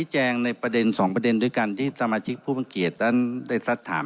แงในประเด็นสองประเด็นด้วยกันที่สมาชิกผู้บังเกียจนั้นได้สักถาม